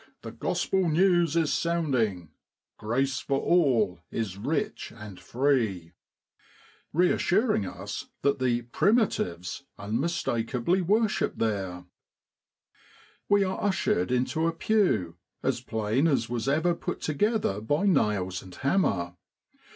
the Gospel news is sounding, Grace for all is rich and free,' j BEDTIME. reassuring us that the Primitives unrnistakeably worship there. We are ushered into a pew as plain as was ever put together by nails and hammer.